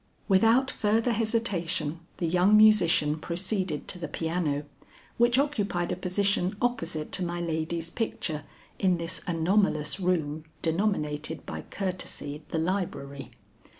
Without further hesitation the young musician proceeded to the piano, which occupied a position opposite to my lady's picture in this anomalous room denominated by courtesy the library.